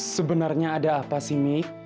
sebenarnya ada apa sih mi